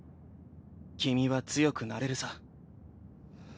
君は強くなれるさ。